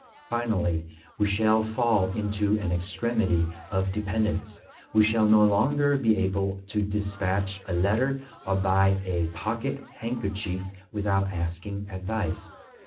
Finally, we shall fall into an extremity of dependence; we shall no longer be able to despatch a letter or buy a pocket handkerchief without asking advice.